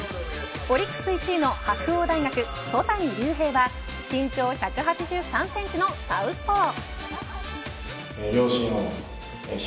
オリックス１位の白鴎大学、曽谷龍平は身長１８３センチのサウスポー。